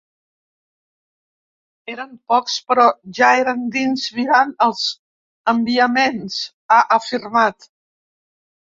Eren pocs, però ja eren dins mirant els enviaments, ha afirmat.